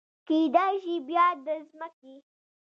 کیدای شي بیا د مځکې